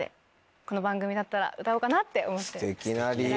この番組だったら歌おうかなって思って。